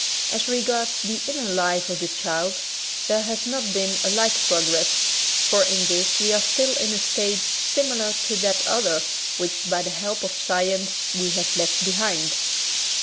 As regards the inner life of the child there has not been a like pro gress, for in this we are still in a stage similar to that other which, by the help of science, we have left behind.